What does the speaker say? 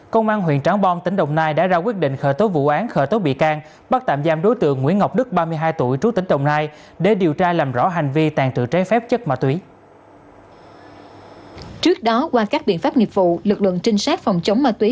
công an huyện trắng bom tỉnh đồng nai đã ra quyết định khởi tố vụ án khởi tố bị can bắt tạm giam đối tượng nguyễn ngọc đức ba mươi hai tuổi trú tỉnh đồng nai để điều tra làm rõ hành vi tàn trự trái phép chất ma túy